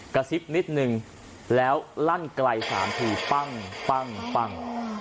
กระซิบนิดนึงแล้วลั่นไกล๓ทีปั้งปั้งปั้ง